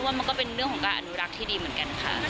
มันก็เป็นเรื่องของการอนุรักษ์ที่ดีเหมือนกันค่ะ